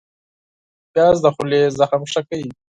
پیاز د خولې زخم ښه کوي